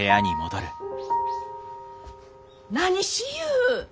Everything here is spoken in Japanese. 何しゆう？